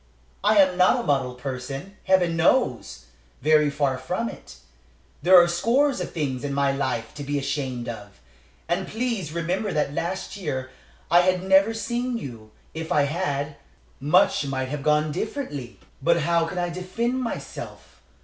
I am not a model person, Heaven knows! very far from it. There are scores of things in my life to be ashamed of. And please remember that last year I had never seen you; if I had, much might have gone differently. "But how can I defend myself?